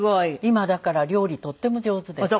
今だから料理とっても上手です。